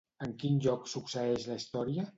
En quin lloc succeeix la història?